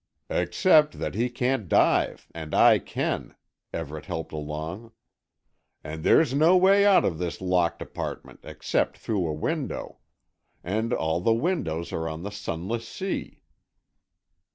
"Except that he can't dive and I can," Everett helped along. "And there's no way out of this locked apartment except through a window. And all the windows are on the Sunless Sea."